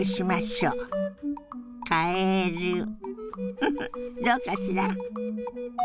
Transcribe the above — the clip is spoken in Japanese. フフッどうかしら？